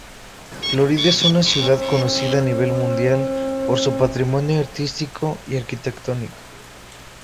Florencia es una ciudad conocida a nivel mundial por su patrimonio artístico y arquitectónico.